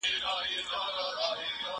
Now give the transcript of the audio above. ما سوري كړي د ډبرو دېوالونه